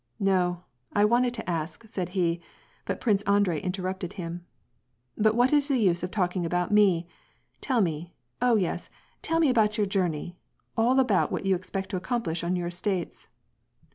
'<No, I wanted to ask," said he, but Prince Andrei interrupted him. "But what is the use of talking about me? — Tell me, oh yes, tell me about your journey, — all about what you ex pect to accomplish on your estates."